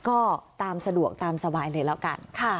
ก็ตามสะดวกตามสบายเลยแล้วกัน